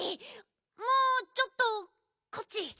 もうちょっとこっち。